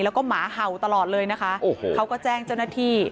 แล้วก็หมาเห่าตลอดเลยนะคะโอ้โหเขาก็แจ้งเจ้าหน้าที่